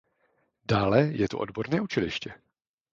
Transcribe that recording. Dále je tu odborné učiliště.